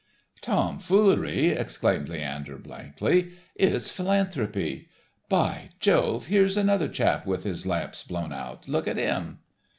"Tom foolery," exclaimed Leander, blankly. "It's philanthropy. By Jove, here's another chap with his lamps blown out. Look at him."